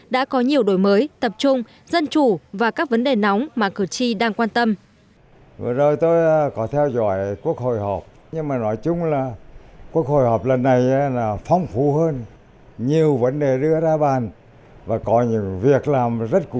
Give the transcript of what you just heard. đã có nhiều đổi mới tập trung dân chủ và các vấn đề nóng mà cử tri đang quan tâm